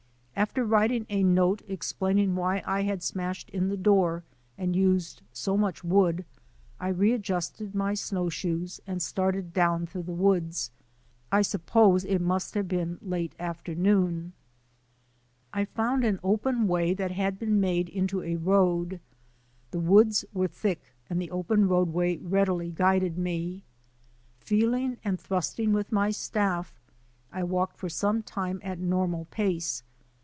After writing a note explaining why I had smashed in the door and used so much wood, I readjusted my snowshoes and started down through the woods. I suppose it must have been late after noon. SNOW BLINDED ON THE SUMMIT 19 I found an open way that had been made into a road. The woods were thick and the open road way readily guided me. Feeling and thrusting with my staff, I walked for some time at normal pace.